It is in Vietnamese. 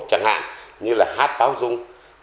chẳng hạn như là hát báo dung